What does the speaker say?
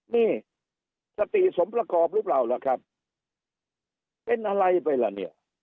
นี่สติสมประกอบหรือเปล่าล่ะครับเป็นอะไรไปล่ะเนี่ย